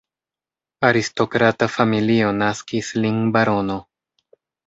Aristokrata familio naskis lin barono.